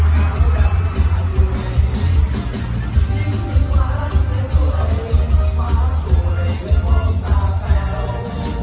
จริงจริงหวานในตัวเองหวานตัวเองหวานตาแก้ว